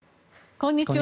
こんにちは。